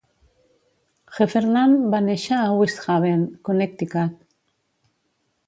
Heffernan va néixer a West Haven, Connecticut.